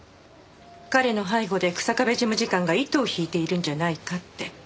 彼の背後で日下部事務次官が糸を引いているんじゃないかって。